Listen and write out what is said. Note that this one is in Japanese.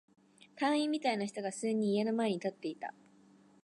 隊員みたいな人が数人、家の前に立っていた。